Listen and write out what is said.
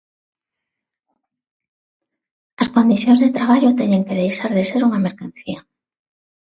As condicións de traballo teñen que deixar de ser unha mercancía.